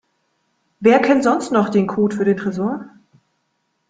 Wer kennt sonst noch den Code für den Tresor?